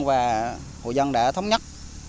và hộ dân đã thống nhất